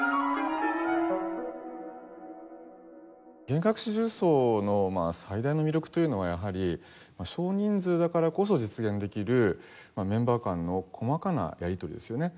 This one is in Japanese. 弦楽四重奏の最大の魅力というのはやはり少人数だからこそ実現できるメンバー間の細かなやりとりですよね。